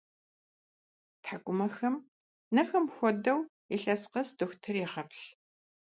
ТхьэкӀумэхэм, нэхэм хуэдэу, илъэс къэс дохутыр егъэплъ.